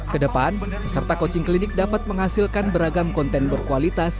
kedepan peserta coaching klinik dapat menghasilkan beragam konten berkualitas